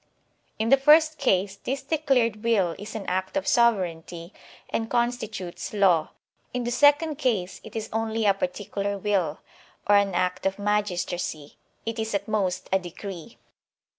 In the first case, this declared will is an act of sovereignty and constitutes law; in the second case, it is only a particular vnll, or an act of magistracy *— it is at most a decree.